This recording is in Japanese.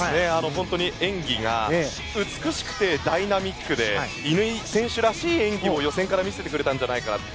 本当に演技が美しくてダイナミックで乾選手らしい演技を予選から見せてくれたのではないかなと。